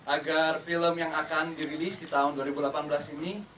agar film yang akan dirilis di tahun dua ribu delapan belas ini